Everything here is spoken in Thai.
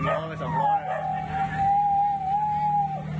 หมอบแล้วหมอบแล้ว